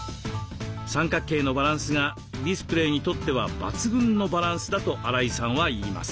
三角形のバランスがディスプレーにとっては抜群のバランスだと荒井さんはいいます。